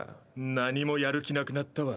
何もやる気なくなったわ。